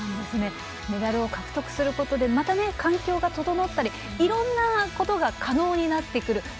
メダルを獲得することでまた環境が整ったりいろんなことが可能になってくる。